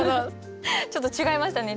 ちょっと違いましたね